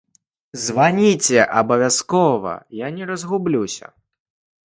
Званіце абавязкова, я не разгублюся.